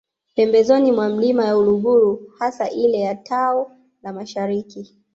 Pembezoni mwa Milima ya Uluguru hasa ile ya Tao la Mashariki